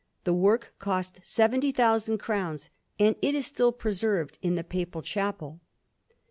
The work cost 70,000 crowns, and it is still preserved in the Papal Chapel.